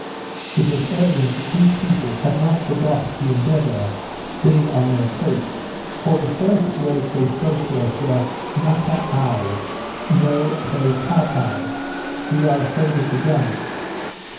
It was evident these people had not forgot the Endeavour being on their coast; for the first words they spoke to us were, Mataou no te pow pow (we are afraid of the guns).